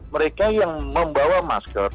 mereka yang membawa masker